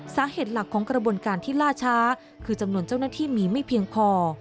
สาเหตุหลักของกระบวนการที่ล่าช้าคือจำนวนเจ้าหน้าที่มีไม่เพียงพอ